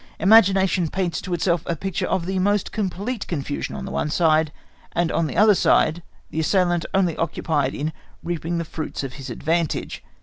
Imagination paints to itself a picture of the most complete confusion on the one side, and on the other side the assailant only occupied in reaping the fruits of his advantage.